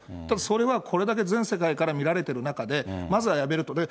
ただそれはこれだけ全世界から見られている中で、まずはやめるべき。